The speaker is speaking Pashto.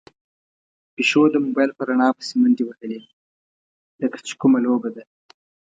پيشو د موبايل په رڼا پسې منډې وهلې، لکه چې کومه لوبه ده.